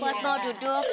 pak bos mau duduk